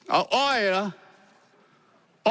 เอาอ้อยเหรอ